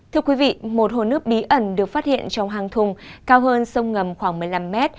thưa quý vị một hồ nước bí ẩn được phát hiện trong hang thùng cao hơn sông ngầm khoảng một mươi năm mét